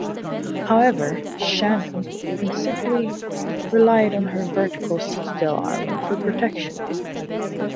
However, "Shannon" principally relied on her vertical citadel armour for protection.